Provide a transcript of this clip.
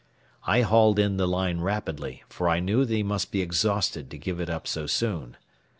I hauled in the line rapidly, for I knew that he must be exhausted to give it up so soon.